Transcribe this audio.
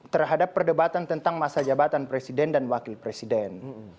terhadap perdebatan tentang masa jabatan presiden dan wakil presiden